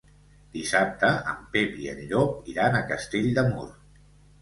Dissabte en Pep i en Llop iran a Castell de Mur.